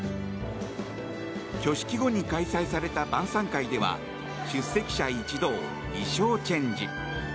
挙式後に開催された晩さん会では出席者一同、衣装チェンジ。